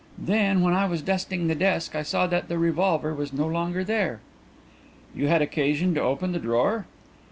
Then when I was dusting the desk I saw that the revolver was no longer there." "You had occasion to open the drawer?"